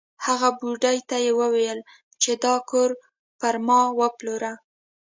هغې بوډۍ ته یې وویل چې دا کور پر ما وپلوره.